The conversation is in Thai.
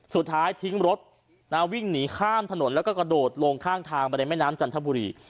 สุดท้ายทิ้งรถวิ่งหนีข้ามถนนแล้วก็กระโดดลงข้างทางไปในแม่น้ำจันทบุรี